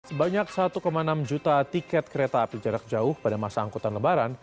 sebanyak satu enam juta tiket kereta api jarak jauh pada masa angkutan lebaran